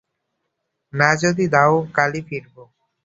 না যদি দাও কালই ফিরব।